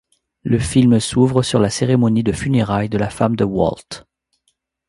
Le film s'ouvre sur la cérémonie de funérailles de la femme de Walt.